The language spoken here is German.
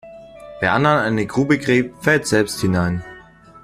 Wer anderen eine Grube gräbt, fällt selbst hinein.